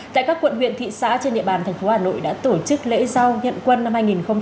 tại các quận huyện thị xã trên địa bàn thành phố hà nội đã tổ chức lễ giao nhận quân năm hai nghìn hai mươi